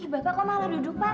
bapak kok malah duduk pak